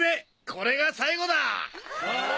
これが最後だ！